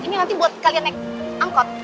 ini nanti buat kalian naik angkot